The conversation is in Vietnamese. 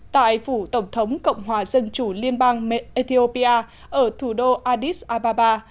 tại phủ tổng thống cộng hòa dân chủ liên bang ethiopia ở thủ đô addis ababa